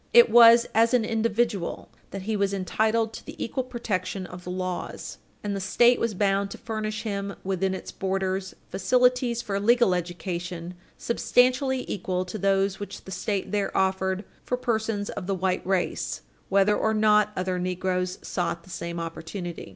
It was as an individual that he was entitled to the equal protection of the laws, and the State was bound to furnish him within its borders facilities for legal education substantially equal to those which the State there afforded for persons of the white race, whether or not other negroes sought the same opportunity.